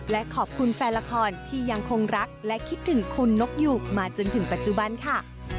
และขอบคุณแฟนละครที่ยังคงรักและคิดถึงคุณนกอยู่มาจนถึงปัจจุบันค่ะ